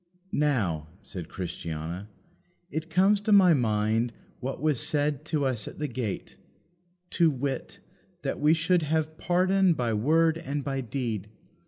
"Now," said Christiana, "it comes to my mind what was said to us at the gate; to wit, that we should have pardon by word and by deed.